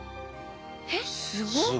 えっすごっ！